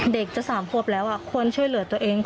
เด็กจะ๓ควบแล้วควรช่วยเหลือตัวเอง